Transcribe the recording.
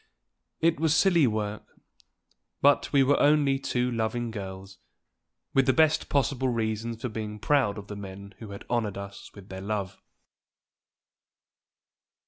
It was silly work; but we were only two loving girls, with the best possible reasons for being proud of the men who had honored us with their love.